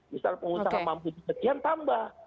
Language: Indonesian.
misalnya pengusaha mampu dipercayai tambah